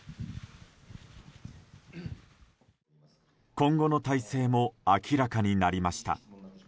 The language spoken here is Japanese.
今後の体制も明らかになりました。